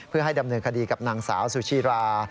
เพื่อให้ดำเนินคดีกับนางสาวสุชีรา